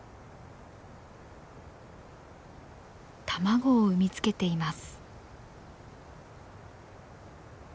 卵を産みつけています。